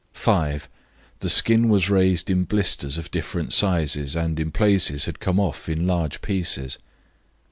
"5. The skin was raised in blisters of different sizes and in places had come off in large pieces.